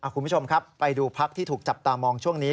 คุณผู้ชมครับไปดูพักที่ถูกจับตามองช่วงนี้